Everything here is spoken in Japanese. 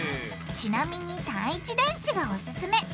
ちなみに単一電池がおすすめ！